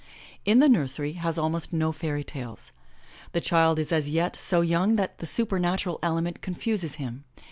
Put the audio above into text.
In The Nursery has almost no fairy tales. The child is as yet so young that the supernatural element confuses him.